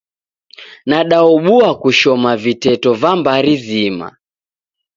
Nadaobua kushoma viteto va mbari zima.